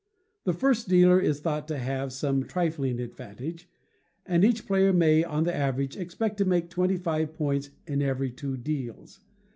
The first dealer is thought to have some trifling advantage, and each player may, on the average, expect to make twenty five points in every two deals.